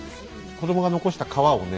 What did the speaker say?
子供が残した皮をね